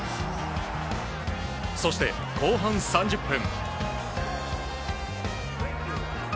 そして後半３０分。